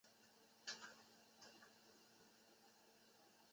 崇祯七年考中甲戌科进士。